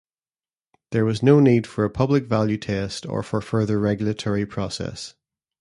There was no need for a Public Value Test or for further regulatory process.